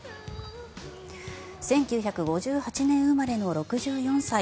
１９５８年生まれの６４歳。